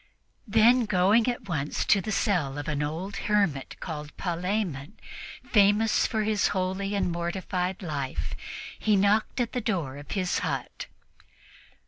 Then, going at once to the cell of an old hermit called Palemon, famous for his holy and mortified life, he knocked at the door of his hut.